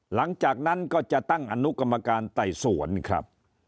หลังจากนั้นก็จะตั้งอนุกรรมการไต่สวนครับ